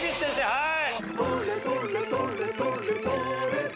はい！